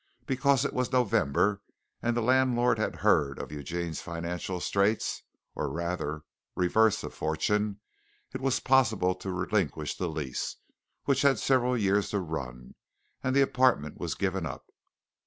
Because it was November and the landlord had heard of Eugene's financial straits, or rather reverse of fortune, it was possible to relinquish the lease, which had several years to run, and the apartment was given up.